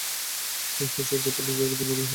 শেষে গোপাল নিজেই একদিন মরিয়া হইয়া শশীর ঘরে যায়।